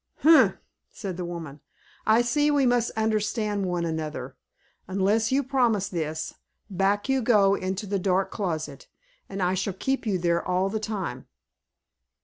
"Humph!" said the woman; "I see we must understand one another. Unless you promise this, back you go into the dark closet, and I shall keep you there all the time."